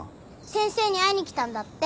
先生に会いに来たんだって。